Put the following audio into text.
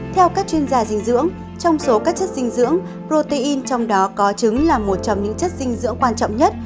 theo các chuyên gia dinh dưỡng trong số các chất dinh dưỡng protein trong đó có trứng là một trong những chất dinh dưỡng quan trọng nhất